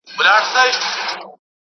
سیر وکړه!